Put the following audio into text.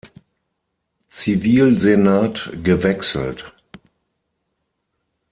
Zivilsenat gewechselt.